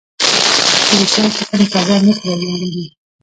چي د شر تخم تباه نه کړی یارانو